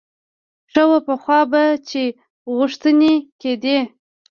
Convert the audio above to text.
ښه وه پخوا خو به چې غوښتنې کېدې.